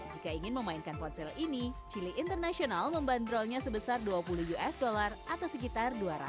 jika ingin memainkan ponsel ini chili international membanderolnya sebesar dua puluh usd atau sekitar tujuh puluh ribu rupiah